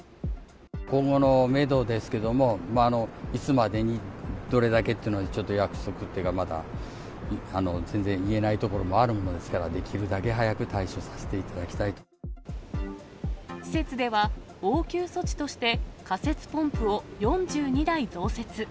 今後のメドですけども、いつまでに、どれだけっていうのはちょっと約束というか、まだ全然見えないところもあるものですから、できるだけ早く対処させていただきたい施設では応急措置として、仮設ポンプを４２台増設。